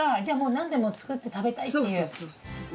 じゃあ何でも作って食べたいっていう。